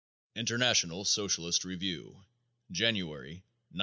International Socialist Review, January, 1911.